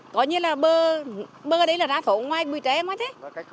có như là bờ ở đấy là ra thổ ngoài mùi trẻ ngoài thế